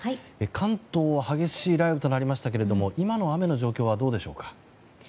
関東は激しい雷雨となりましたけれども今の雨の状況はどうでしょうか。